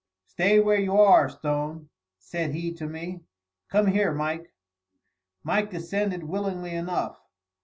"Stay where you are, Stone," said he to me. "Come here, Mike." Mike descended willingly enough.